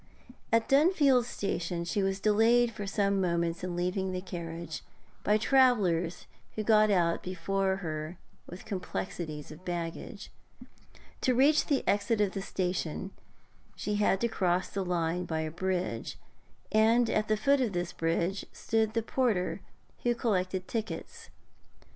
At Dunfield station she was delayed for some moments in leaving the carriage by travellers who got out before her with complexities of baggage. To reach the exit of the station she had to cross the line by a bridge, and at the foot of this bridge stood the porter who collected tickets.